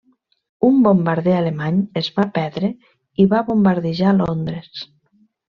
Un bombarder alemany es va perdre i va bombardejar Londres.